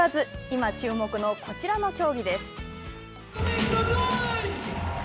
今注目のこちらの競技です。